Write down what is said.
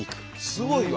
すごいわ。